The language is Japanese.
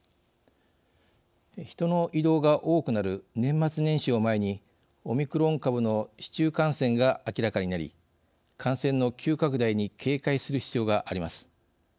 人の移動が多くなる年末年始を前にオミクロン株の市中感染が明らかになり感染の急拡大に警戒する必要があります。